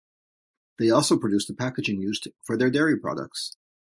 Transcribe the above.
They also produce the packaging used for their dairy products.